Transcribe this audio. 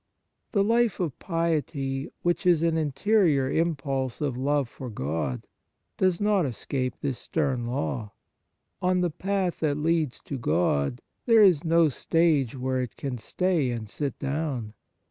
The life of piety, which is an in terior impulse of love for God, does not escape this stern law. On the path that leads to God there is no stage where it can stay and sit down.